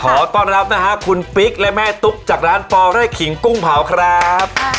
ขอต้อนรับนะฮะคุณปิ๊กและแม่ตุ๊กจากร้านปอไร่ขิงกุ้งเผาครับ